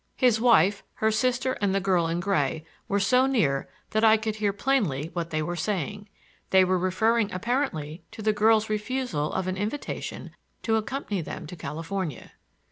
His wife, her sister and the girl in gray were so near that I could hear plainly what they were saying. They were referring apparently to the girl's refusal of an invitation to accompany them to California.